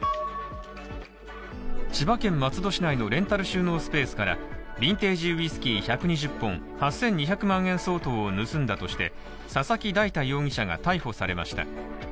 千葉県松戸市内のレンタル収納スペースからビンテージウイスキー１２０本、８２００万円相当を盗んだとして佐々木大太容疑者が逮捕されました。